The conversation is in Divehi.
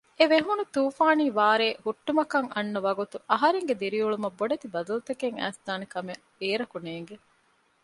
އެވެހުނު ތޫފާނީ ވާރޭ ހުއްޓުމަކަށް އަންނަ ވަގުތު އަހަރެންގެ ދިރިއުޅުމަށް ބޮޑެތި ބަދަލުތަކެއް އައިސްދާނެކަމެއް އޭރަކު ނޭނގެ